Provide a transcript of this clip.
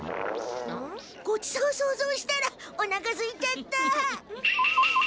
ごちそうそうぞうしたらおなかすいちゃった。